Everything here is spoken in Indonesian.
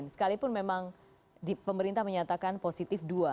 sekalipun memang pemerintah menyatakan positif dua